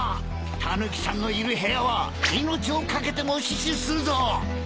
タヌキさんのいる部屋は命を懸けても死守するぞ！